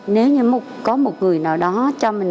nếu như có một người nào đó cho mình